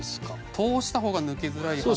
通した方が抜けづらい。